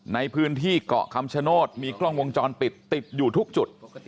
ในพื้นที่เกาะคำชโนธมีกล้องวงจรปิดติดอยู่ทุกจุด